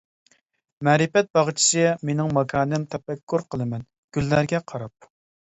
مەرىپەت باغچىسى مىنىڭ ماكانىم تەپەككۇر قىلىمەن گۈللەرگە قاراپ.